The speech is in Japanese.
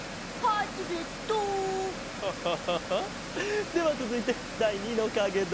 ハハハハではつづいてだい２のかげだ。